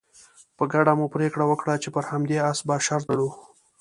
په ګډه مو پرېکړه وکړه چې پر همدې اس به شرط تړو.